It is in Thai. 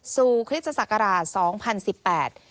สู่คริสต์ศักราช๒๐๑๘